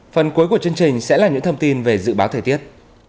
phần cuối của chương trình sẽ là những thông tin về dự báo thời tiết